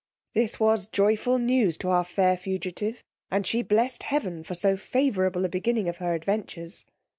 This was joyful news to our fair fugitive; and she blessed heaven for so favourable a beginning of her adventures.